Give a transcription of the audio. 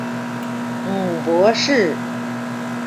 母傅氏。